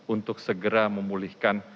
untuk segera memulihkan